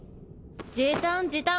時短時短。